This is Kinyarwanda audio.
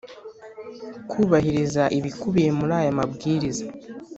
kubahiriza ibikubiye muri aya Mabwiriza